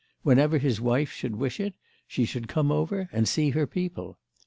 Whenever his wife should wish it she should come over and see her people.